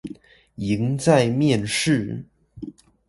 贏在面試